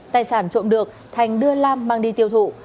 tài sản trộm được thành đưa lam mang đi tiêu thụ